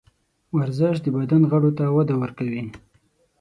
ورزش د بدن غړو ته وده ورکوي.